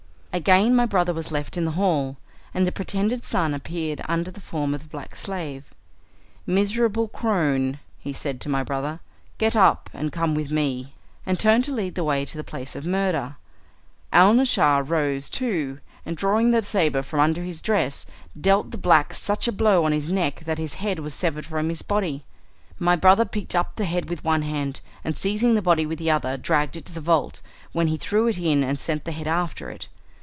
Again my brother was left in the hall, and the pretended son appeared under the form of the black slave. "Miserable crone," he said to my brother, "get up and come with me," and turned to lead the way to the place of murder. Alnaschar rose too, and drawing the sabre from under his dress dealt the black such a blow on his neck that his head was severed from his body. My brother picked up the head with one hand, and seizing the body with the other dragged it to the vault, when he threw it in and sent the head after it.